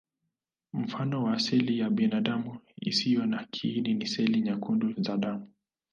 Mfano wa seli ya binadamu isiyo na kiini ni seli nyekundu za damu.